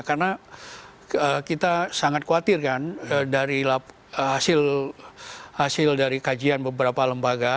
karena kita sangat khawatir kan dari hasil dari kajian beberapa lembaga